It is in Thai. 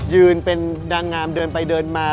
ยืนเป็นนางงามเดินไปเดินมา